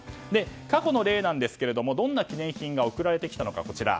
過去の例ですが、どんな記念品が贈られてきたのか。